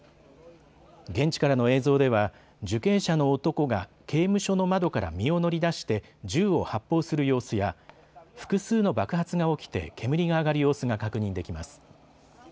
現地からの映像では受刑者の男が刑務所の窓から身を乗り出して銃を発砲する様子や複数の爆発が起きて煙が上がる様子が確認できます。